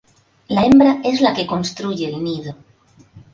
La hembra es la que construye el nido.